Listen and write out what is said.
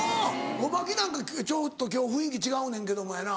ゴマキなんかちょっと今日雰囲気違うねんけどもやな。